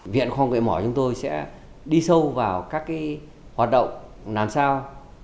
viện khoa học nghệ mỏ chúng tôi sẽ đi sâu vào các hoạt động làm sao